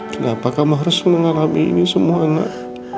kenapa kamu harus mengalami ini semua anak